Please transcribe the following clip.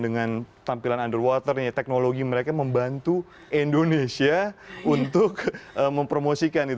dengan tampilan underwaternya teknologi mereka membantu indonesia untuk mempromosikan